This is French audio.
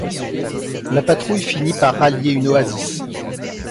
La patrouille finit par rallier une oasis.